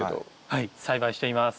はい栽培しています。